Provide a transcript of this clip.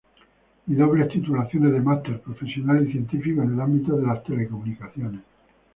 Y dobles titulaciones de Máster profesional y científico en el ámbito de las Telecomunicaciones.